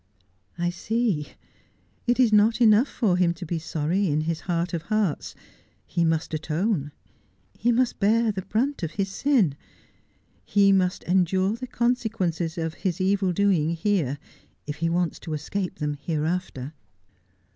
'I see. It is not enough for him to be sorry in his heart of hearts. He must atone ; he must bear the brunt of his sin. He must endiu e the consequences of his evil doing here if he wants to escape them hereafter.'